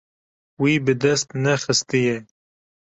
Wî bi dest nexistiye.